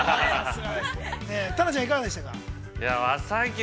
タナちゃん、いかがでしたか。